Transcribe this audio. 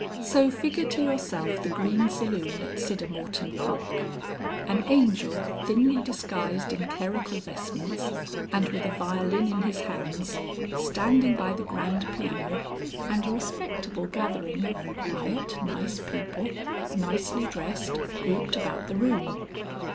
So figure to yourself the Green Saloon at Siddermorton Park; an Angel thinly disguised in clerical vestments and with a violin in his hands, standing by the grand piano, and a respectable gathering of quiet nice people, nicely dressed, grouped about the room.